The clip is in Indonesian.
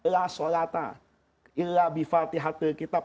la sholata illa bi fatihah tul kitab